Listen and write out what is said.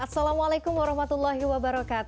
assalamualaikum wr wb